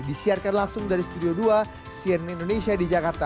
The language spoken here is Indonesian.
disiarkan langsung dari studio dua cnn indonesia di jakarta